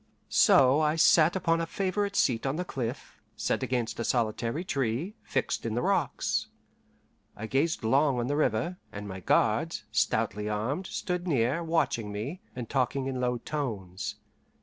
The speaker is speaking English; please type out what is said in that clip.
So I sat upon a favourite seat on the cliff, set against a solitary tree, fixed in the rocks. I gazed long on the river, and my guards, stoutly armed, stood near, watching me, and talking in low tones.